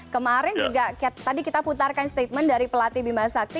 kemarin juga tadi kita putarkan statement dari pelatih bima sakti